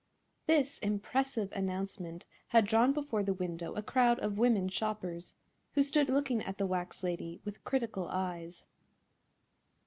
This impressive announcement had drawn before the window a crowd of women shoppers, who stood looking at the wax lady with critical eyes.